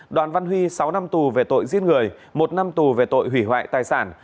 đoàn văn huy sáu năm tù về tội giết người một năm tù về tội hủy hoại tài sản